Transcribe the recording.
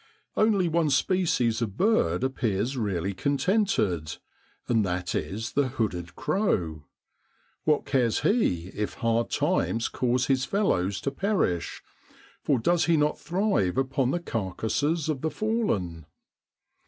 Only one species of bird appears really contented, and that is the hooded crow; what cares he if hard times cause his fellows to perish, for does he not thrive upon the carcases of the fallen